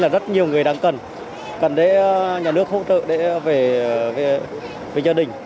rất nhiều người đang cần cần để nhà nước hỗ trợ để về gia đình